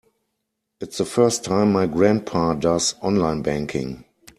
It's the first time my grandpa does online banking.